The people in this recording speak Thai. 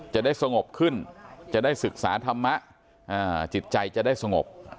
จะได้สงบขึ้นจะได้ศึกษาธรรมะจิตใจจะได้สงบ